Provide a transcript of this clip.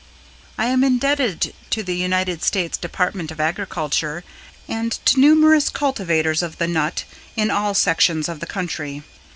I am indebted to the United States Department of Agriculture and to numerous cultivators of the nut in all sections of the country.